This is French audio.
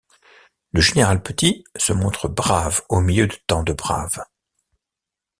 Le général Petit se montre brave au milieu de tant de braves.